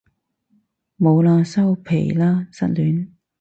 冇喇收皮喇失戀